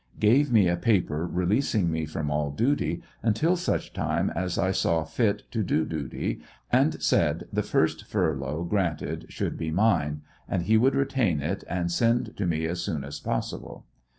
G ave me a paper releasing me from all duty until such time as I saw fit to do duty, and said the first furlough granted should be mine, and he would retain it and send to me as soon as possible.